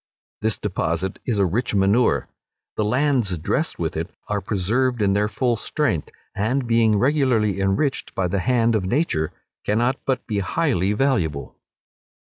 This deposit is a rich manure. The lands dressed with it are preserved in their full strength, and being regularly enriched by the hand of nature, cannot but be highly valuable.